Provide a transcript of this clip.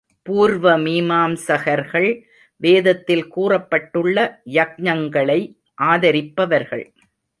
பூர்வ மீமாம்சகர்கள் வேதத்தில் கூறப்பட்டுள்ள யக்ஞங்களை ஆதரிப்பவர்கள்.